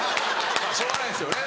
しょうがないですよね。